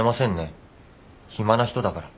暇な人だから。